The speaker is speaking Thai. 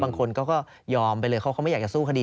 บางคนเขาก็ยอมไปเลยเขาก็ไม่อยากจะสู้คดี